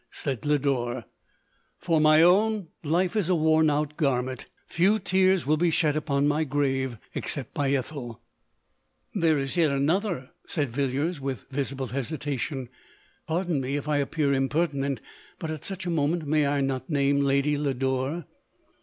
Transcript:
said Lodore ;" for my own — life is a worn out garment — few tears will be shed upon my grave, except by Ethel." LODORE. 2G7 M There is yet another," said Villiers with visible hesitation :" pardon me, if I appear impertinent ; but at such a moment, may I not name Lady Lodore